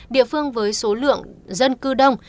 địa phương với số lượng dân cư đông